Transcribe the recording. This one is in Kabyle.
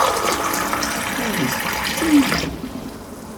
Ttxil-k, sel-iyi-d.